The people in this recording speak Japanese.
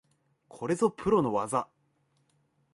これぞプロの技